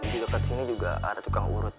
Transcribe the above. di dekat sini juga ada tukang urut